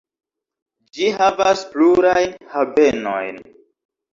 Ĝi havas plurajn havenojn.